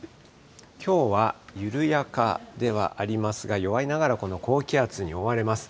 きょうは緩やかではありますが、弱いながらこの高気圧に覆われます。